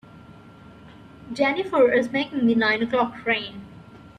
Jennifer is making the nine o'clock train.